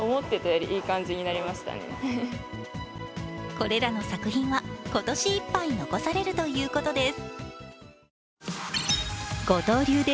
これらの作品は今年いっぱい残されるということです。